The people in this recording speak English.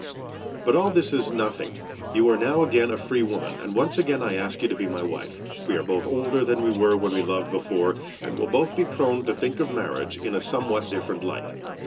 But all this is nothing. You are now again a free woman; and once again I ask you to be my wife. We are both older than we were when we loved before, and will both be prone to think of marriage in a somewhat different light.